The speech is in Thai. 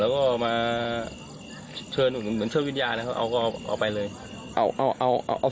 แล้วก็มาเชิญเหมือนเชิญวิญญาณนะครับเอาก็เอาไปเลยเอาเอาเอาเอา